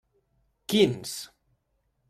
Quins?